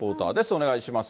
お願いします。